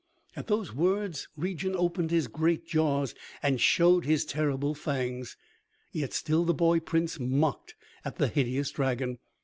At those words Regin opened his great jaws, and showed his terrible fangs. Yet still the boy Prince mocked at the hideous dragon.